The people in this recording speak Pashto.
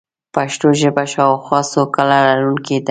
پښتو ژبه شاوخوا څو کاله لرونکې ده.